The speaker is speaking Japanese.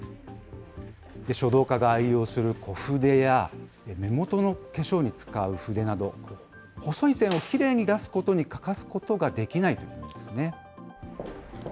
書道家が愛用する小筆や、目元の化粧に使う筆など、細い線をきれいに出すことに欠かすことができないというんですね。